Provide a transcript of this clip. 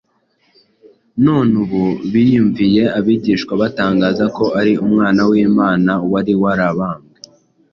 None ubu biyumviye abigishwa batangaza ko ari Umwana w’Imana wari warabambwe.